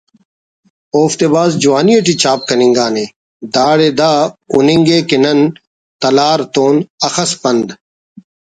اوفتے بھاز جوانی ٹی چھاپ کننگانے داڑے دا ہُننگے کہ نن ”تلار“ تون اخس پند